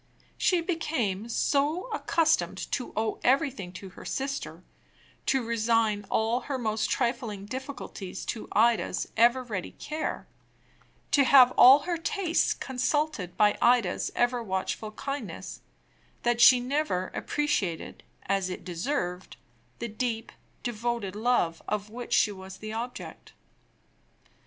She became so accustomed to owe everything to her sister to resign all her most trifling difficulties to Ida's ever ready care to have all her tastes consulted by Ida's ever watchful kindness that she never appreciated, as it deserved, the deep, devoted love of which she was the object.